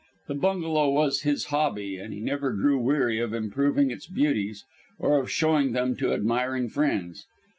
The bungalow was his hobby, and he never grew weary of improving its beauties or of showing them to admiring friends.